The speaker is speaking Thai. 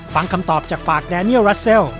ฟังคำตอบจากปากแดเนียลรัสเซล